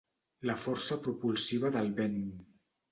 La força propulsiva del vent.